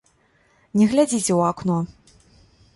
Не глядзіце ў акно.